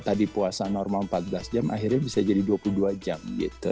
tadi puasa normal empat belas jam akhirnya bisa jadi dua puluh dua jam gitu